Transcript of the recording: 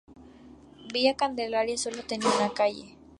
Villa Candelaria solo tenía una calle.